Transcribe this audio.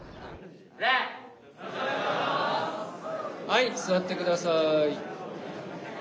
はい座って下さい。